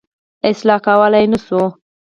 اصلاح کولای یې نه شو.